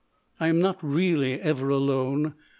I am not really ever alone.